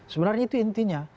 sebenarnya itu intinya